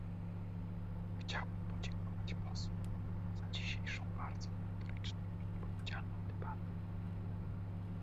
Chciałbym podziękować posłom za dzisiejszą bardzo merytoryczną i odpowiedzialną debatę